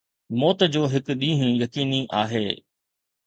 موت جو هڪ ڏينهن يقيني آهي